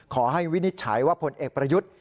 ขอให้วินิจฉัยว่าพลเอกประยุทธ์